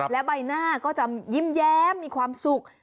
และใบหน้าก็จะยิ้มแย้มมีความสุข